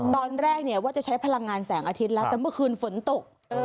ตอนแรกเนี่ยว่าจะใช้พลังงานแสงอาทิตย์แล้วแต่เมื่อคืนฝนตก